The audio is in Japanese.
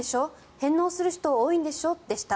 返納する人多いんでしょ？でした。